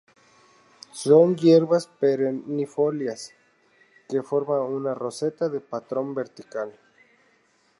Son hierbas perennifolias que forma una roseta de patrón vertical.